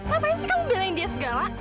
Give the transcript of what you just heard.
ngapain sih kamu bilangin dia segala